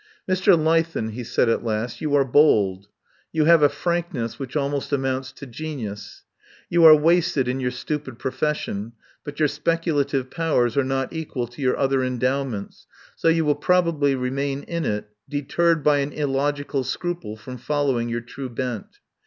"Mr. Leithen," he said at last, "you are bold. You have a frankness which almost amounts to genius. You are wasted in your stupid profession, but your speculative powers are not equal to your other endowments, so you will probably remain in it, deterred by an illogical scruple from following your true bent.